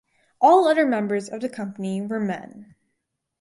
All other members of the company were men.